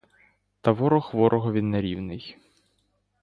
Та ворог ворогові не рівний.